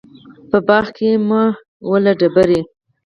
په باغ کې مه وله ډبري